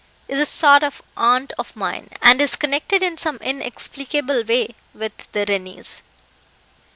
is a sort of aunt of mine, and is connected in some inexplicable way with the Rennies.